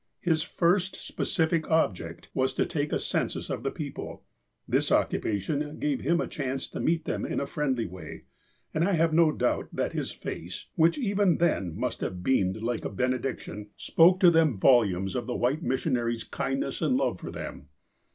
His first specific object was to take a census of the peo ple. This occupation gave him a chance to meet them in a friendly way, and I have no doubt that his face, which even then must have beamed like a benediction, spoke to 120 THE APOSTLE OF ALASKA them volumes of the white missionary's kindness and love for them.